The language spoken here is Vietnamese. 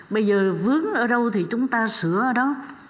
bây giờ vướng ở đâu thì chúng ta sửa ở đó